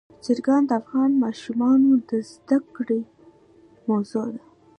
چرګان د افغان ماشومانو د زده کړې موضوع ده.